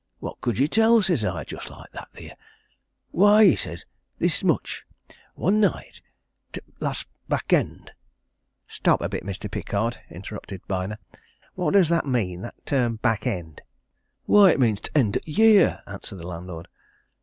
'What could ye tell?' says I just like that theer. 'Why,' he says, 'this much one night t' last back end '" "Stop a bit, Mr. Pickard," interrupted Byner. "What does that mean that term 'back end'?" "Why, it means t' end o' t' year!" answered the landlord.